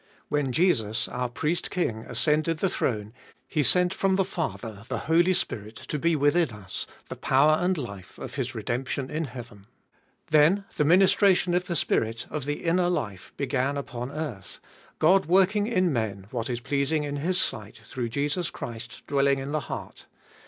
When Jesus, our Priest King, ascended the throne, He sent from the Father the Holy Spirit to be within us, the power and life of His redemption in heaven. Then the minis tration of the Spirit, of the inner life, began upon earth — God working in men what is pleasing in His sight, through Jesus Christ dwelling in the heart.